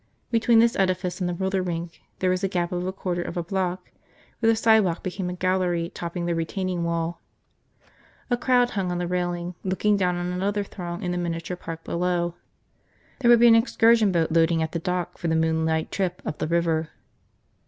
Between this edifice and the roller rink there was a gap of a quarter of a block where the sidewalk became a gallery topping the retaining wall. A crowd hung on the railing, looking down on another throng in the miniature park below. There would be an excursion boat loading at the dock for the moonlight trip up the river.